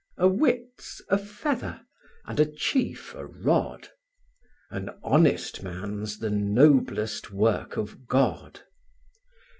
A wit's a feather, and a chief a rod; An honest man's the noblest work of God.